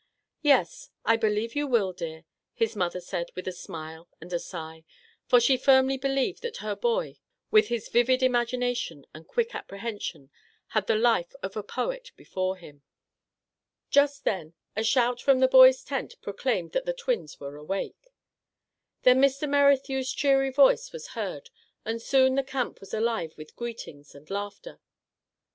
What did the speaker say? "Yes, I believe you will, dear," his mother said, with a smile and a sigh, for she firmly believed that her boy, with his vivid imagina tion and quick apprehension, had the life of a poet before him. 55 56 Our Little Canadian Cousin Just then a shout from the boys* tent pro claimed that the twins were awake ; then Mr. Merrithew's cheery voice was heard, and soon the camp was alive with greetings and laughter.